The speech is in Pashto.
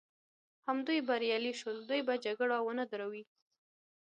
همدوی بریالي شول، دوی به جګړه ونه دروي.